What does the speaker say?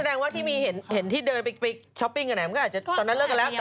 ก็แสดงว่าที่เห็นที่เดินไปช้อปปิ้งกันไหน